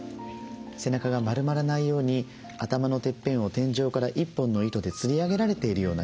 背中が丸まらないように頭のてっぺんを天井から１本の糸でつり上げられているようなイメージですね。